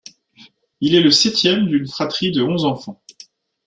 Il est le septième d'une fratrie de onze enfants.